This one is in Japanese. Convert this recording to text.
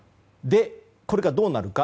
これがどうなるか。